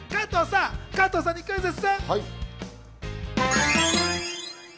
加藤さんにクイズッス！